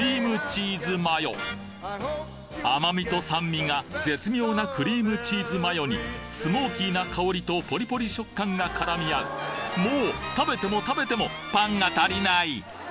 甘みと酸味が絶妙なクリームチーズマヨにスモーキーな香りとぽりぽり食感が絡み合うもう食べても食べてもパンが足りない！